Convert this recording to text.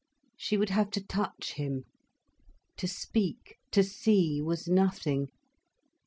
She would have to touch him. To speak, to see, was nothing.